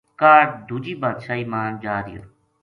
کاہڈ دوجی بادشاہی ما جا رہیو